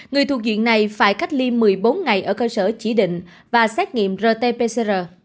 người thuộc diện này phải cách ly một mươi bốn ngày ở cơ sở chỉ định và xét nghiệm rt pcr